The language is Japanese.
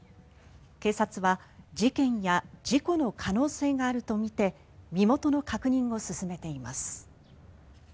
警察は事件や事故の可能性があるとみて身元の確認を進めています。